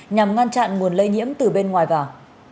nhằm ngăn chặn nguồn lây nhiễm từ bên ngoài vào